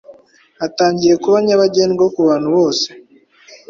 hatangiye kuba nyabagendwa ku bantu bose.